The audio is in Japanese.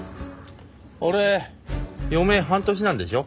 俺余命半年なんでしょ？